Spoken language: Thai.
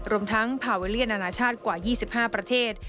รวมทั้งพาเวอเลียนนานาชาติกว่า๒๕ประเทศ